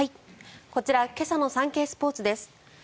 こちら今朝のサンケイスポーツです。